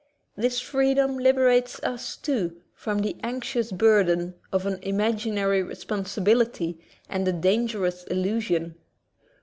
This freedom liberates us, too, from the anxious burden of an imaginary responsibility and a dangerous illusion.